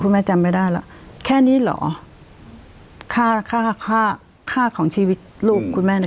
คุณแม่จำไม่ได้แล้วแค่นี้หรอข้าข้าข้าข้าของชีวิตลูกคุณแม่นะ